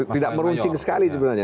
tidak meruncing sekali sebenarnya